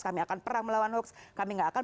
kami akan perang melawan hoax kami tidak akan